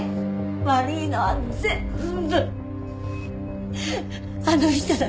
悪いのは全部あの人だから。